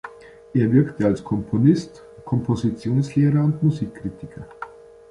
Er wirkte als Komponist, Kompositionslehrer und Musikkritiker.